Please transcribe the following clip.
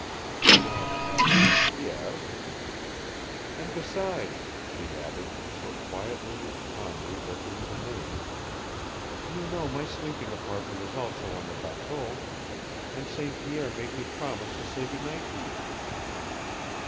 He nodded. "Yes." "And besides," she added, so quietly and calmly that he was amazed, "you know my sleeping apartment is also on the bateau. And St. Pierre made me promise to say good night to you."